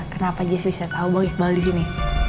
kenapa jessie bisa tau bang iqbal di sini